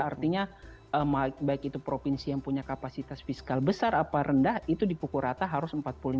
artinya baik itu provinsi yang punya kapasitas fiskal besar apa rendah itu dipukul rata harus empat puluh lima